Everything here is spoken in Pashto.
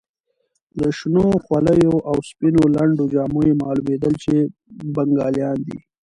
له شنو خولیو او سپینو لنډو جامو یې معلومېدل چې بنګالیان دي.